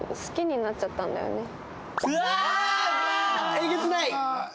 えげつない。